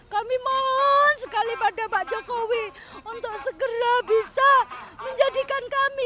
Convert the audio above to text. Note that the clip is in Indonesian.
kami mohon sekali pada pak jokowi untuk segera bisa menjadikan kami